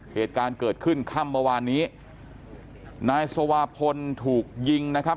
เหตุการณ์เกิดขึ้นค่ำเมื่อวานนี้นายสวาพลถูกยิงนะครับ